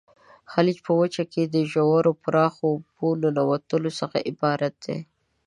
خلیج په وچه کې د ژورو پراخو اوبو ننوتلو څخه عبارت دی.